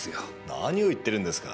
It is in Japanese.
何を言ってるんですか？